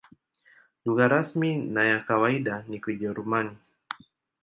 Lugha rasmi na ya kawaida ni Kijerumani.